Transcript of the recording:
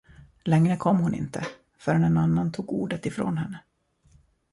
Längre kom hon inte, förrän en annan tog ordet ifrån henne.